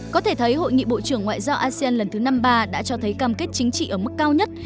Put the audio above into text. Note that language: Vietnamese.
có thể thấy hội nghị bộ trưởng ngoại giao asean lần thứ năm mươi ba đã cho thấy cam kết chính trị ở mức cao nhất